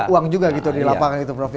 uang juga gitu di lapangan itu prof ya